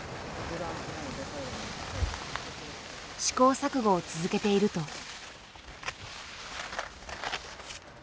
試行錯誤を続けていると。